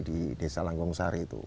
di desa langgong sari itu